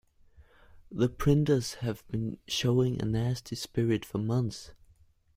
The printers have been showing a nasty spirit for months.